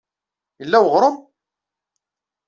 Yella uɣrum?